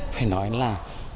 phải nói là